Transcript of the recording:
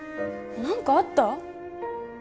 何かあった？